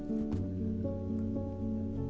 mereka bisa melihat keadaan mereka sendiri